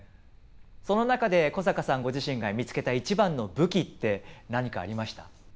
その中で古坂さんご自身が見つけた一番の武器って何かありました？